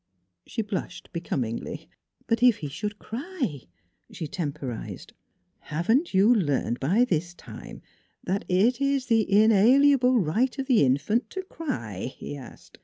She blushed becomingly. " But if he should cry " she temporized. " Haven't you learned by this time that it is the inalienable right of the infant to cry?" he asked.